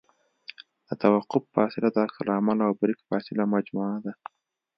د توقف فاصله د عکس العمل او بریک فاصلې مجموعه ده